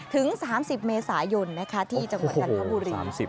ถึง๓๐เมษายนที่จังหวัดจันทบุรี